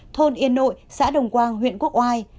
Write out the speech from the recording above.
thôn yên nội xã đồng quang huyện quốc oai